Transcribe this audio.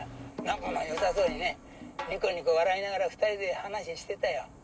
仲の良さそうにねにこにこ笑いながら２人で話してたよ。